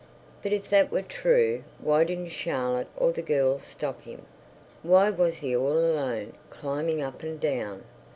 But if that were true, why didn't Charlotte or the girls stop him? Why was he all alone, climbing up and down?